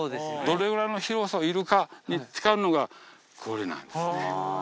どれぐらいの広さいるかに使うのがこれなんですね。